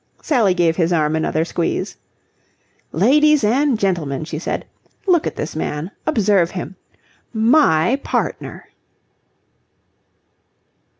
Sally gave his arm another squeeze. "Ladies and gentlemen," she said. "Look at this man. Observe him. My partner!"